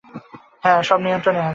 হ্যাঁ, সব নিয়ন্ত্রণেই আছে।